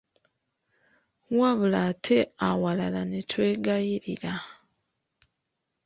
Wabula ate awalala ne twegayirira.